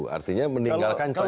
artinya meninggalkan pak jokowi